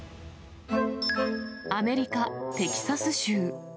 アメリカ・テキサス州。